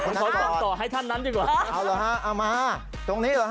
ผมขอส่งต่อให้ท่านนั้นดีกว่าเอาเหรอฮะเอามาตรงนี้เหรอฮ